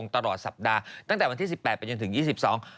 ตลอดสัปดาห์ตั้งแต่วันที่๑๘ไปจนถึง๒๒